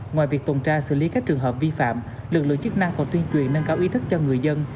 ngoài việc tồn tra xử lý các trường hợp vi phạm lực lượng chức năng còn tuyên truyền nâng cao ý thức cho người dân